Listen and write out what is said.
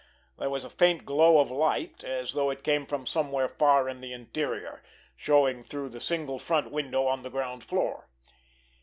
There was a faint glow of light, as though it came from somewhere far in the interior, showing through the single front window on the ground floor.